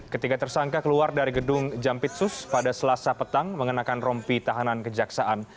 ketiga tersangka keluar dari gedung jampitsus pada selasa petang mengenakan rompi tahanan kejaksaan